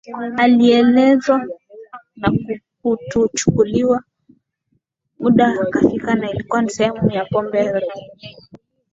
Alielekzwa na hakuchukuwa muda akafika na ilikuwa ni sehemu ya pombe za kienyeji